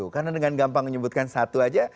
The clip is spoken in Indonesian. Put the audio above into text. karena dengan gampang nyebutkan satu aja